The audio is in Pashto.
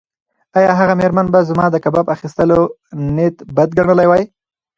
ایا هغه مېرمن به زما د کباب اخیستو نیت بد ګڼلی وای؟